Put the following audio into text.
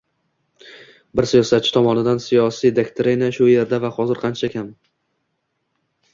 bir siyosatchi tomonidan siyosiy doktrina “shu yerda va hozir” qancha kam